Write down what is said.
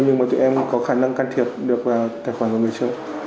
nhưng mà tụi em có khả năng can thiệp được vào tài khoản của người chơi